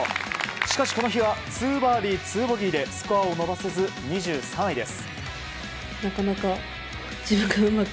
しかしこの日は２バーディー２ボギーでスコアを伸ばせず２３位です。